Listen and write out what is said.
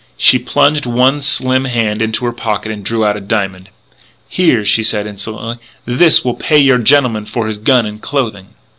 She plunged one slim hand into her pocket and drew out a diamond. "Here," she said insolently. "This will pay your gentleman for his gun and clothing."